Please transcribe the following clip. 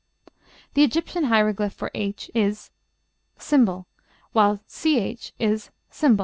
The Egyptian hieroglyph for h is ### while ch is ###.